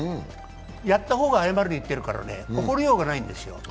やった方が謝りにいってるから怒りようがないんですよ。